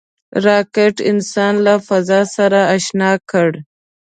راکټ انسان له فضا سره اشنا کړ